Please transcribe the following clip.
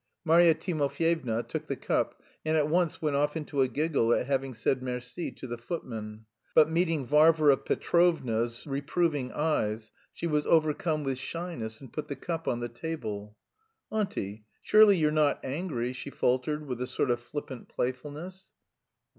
"_ Marya Timofyevna took the cup and at once went off into a giggle at having said merci to the footman. But meeting Varvara Petrovna's reproving eyes, she was overcome with shyness and put the cup on the table. "Auntie, surely you're not angry?" she faltered with a sort of flippant playfulness.